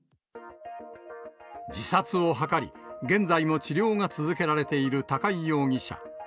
自殺を図り、現在も治療が続けられている高井容疑者。